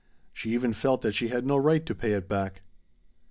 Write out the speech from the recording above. She even felt that she had no right to pay it back.